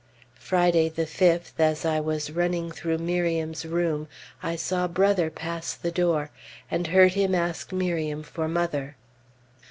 Friday the 5th, as I was running through Miriam's room, I saw Brother pass the door, and heard him ask Miriam for mother.